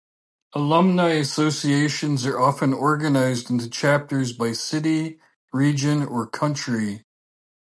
Alumni associations are often organized into chapters by city, region, or country.